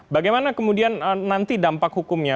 bagaimana kemudian nanti dampak hukumnya